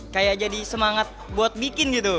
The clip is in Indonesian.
kayak jadi semangat buat bikin gitu